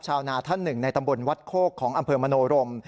ชาวนาท่านหนึ่งในตำบลวัดโคกของอำเภอมโนรม